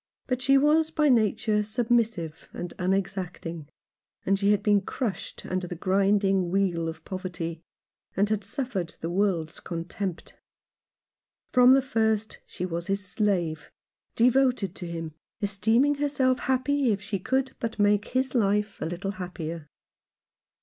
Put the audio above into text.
But she was by nature submissive and unexacting, and she had been crushed under the grinding wheel of poverty, and had suffered the world's contempt. From the first she was his slave — devoted to him, esteeming herself happy if she could but make his life a little happier.